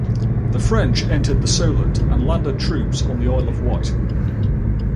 The French entered the Solent and landed troops on the Isle of Wight.